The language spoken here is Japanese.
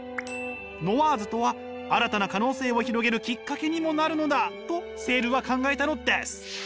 ノワーズとは新たな可能性を広げるきっかけにもなるのだとセールは考えたのです！